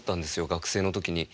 学生の時に。